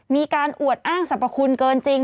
มีการอวดอ้างสรรพคุณเกินจริง